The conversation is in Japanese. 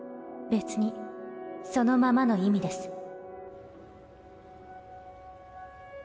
別にそのままの意味です